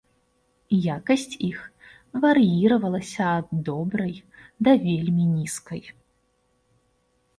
Якасць іх вар'іравалася ад добрай да вельмі нізкай.